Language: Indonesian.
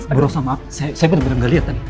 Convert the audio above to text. tidak perlu maaf saya bener bener nggak liat tadi